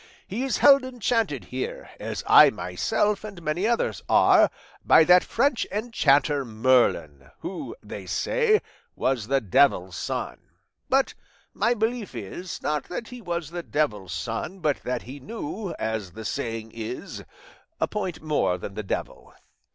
He is held enchanted here, as I myself and many others are, by that French enchanter Merlin, who, they say, was the devil's son; but my belief is, not that he was the devil's son, but that he knew, as the saying is, a point more than the devil.